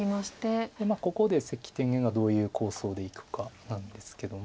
ここで関天元がどういう構想でいくかなんですけども。